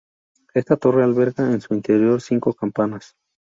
Esta torre alberga en su interior cinco campanas.